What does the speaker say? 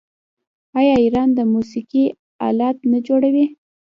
آیا ایران د موسیقۍ الات نه جوړوي؟